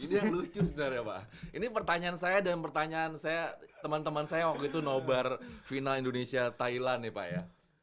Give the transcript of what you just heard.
ini yang lucu sebenarnya pak ini pertanyaan saya dan pertanyaan saya teman teman saya waktu itu nobar final indonesia thailand nih pak ya